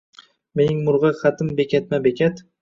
Mening murg’ak xatim bekatma-bekat.